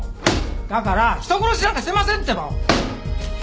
だから人殺しなんかしてませんってば！